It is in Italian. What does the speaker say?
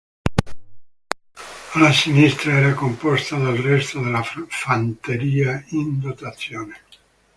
L'ala sinistra era composta dal resto della fanteria in dotazione.